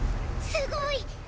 すごい！